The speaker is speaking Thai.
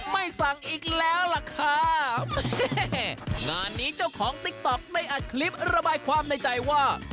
ไม่สั่งอีกแล้วล่ะค่ะงานนี้เจ้าของติ๊กต๊อกได้อัดคลิประบายความในใจว่า